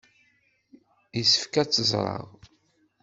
Yessefk ad tt-ẓreɣ.